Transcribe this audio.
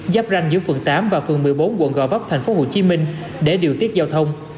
giáp ranh giữa phường tám và phường một mươi bốn quận gò vấp tp hcm để điều tiết giao thông